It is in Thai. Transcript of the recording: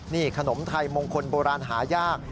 นี่ขนมไทยมงคลโบราณหายาก